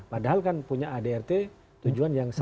padahal kan punya adrt tujuan yang sama